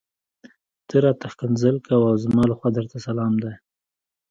ته راته ښکنځل کوه او زما لخوا درته سلام دی.